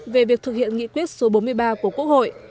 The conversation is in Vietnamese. về việc thực hiện nghị quyết số bốn mươi ba của quốc hội